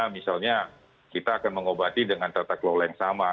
misalnya kita akan mengobati dengan tata kelola yang sama